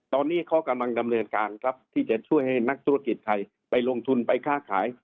ตอนนี้เขากำลังดำเนินการครับที่จะช่วยให้นักธุรกิจไทยไปลงทุนไปค้าขาย